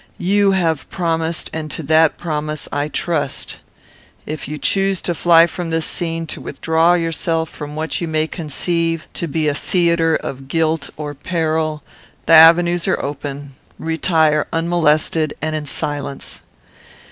You have promised, and to that promise I trust. "If you choose to fly from this scene, to withdraw yourself from what you may conceive to be a theatre of guilt or peril, the avenues are open; retire unmolested and in silence.